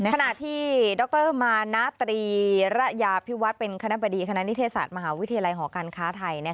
ขณะที่ดรมานาตรีระยาพิวัฒน์เป็นคณะบดีคณะนิเทศศาสตร์มหาวิทยาลัยหอการค้าไทย